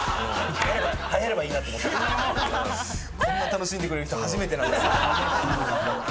こんな楽しんでくれる人初めてなんです。